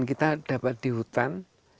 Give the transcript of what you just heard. kita dapat di hutan